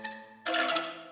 aku sudah berhenti